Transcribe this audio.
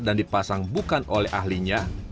dan dipasang bukan oleh ahlinya